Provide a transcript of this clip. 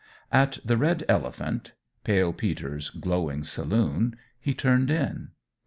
At the Red Elephant Pale Peter's glowing saloon he turned in.